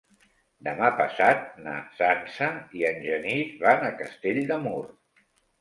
Demà passat na Sança i en Genís van a Castell de Mur.